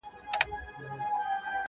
o په دې غار کي چي پراته کم موږکان دي,